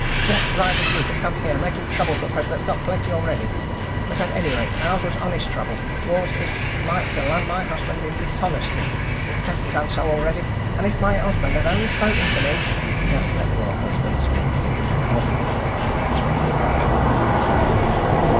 "What right have you to come here, making trouble for folk that's got plenty already? But at any rate, ours was honest trouble. Yours is like to land my husband in dishonesty if it hasn't done so already! And if my husband had only spoken to me " "Just let your husband speak a bit now," interrupted Pratt, almost insolently.